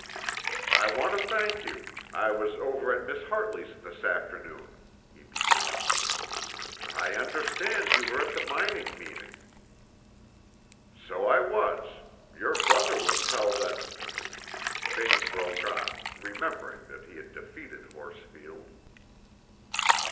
"I want to thank you; I was over at Miss Hartley's this afternoon," he began. "I understood you were at the mining meeting." "So I was; your brother would tell that " Vane broke off, remembering that he had defeated Horsfield.